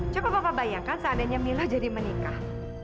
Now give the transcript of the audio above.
coba papa bayangkan seandainya milo jadi menikah